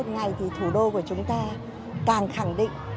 ngày thì thủ đô của chúng ta càng khẳng định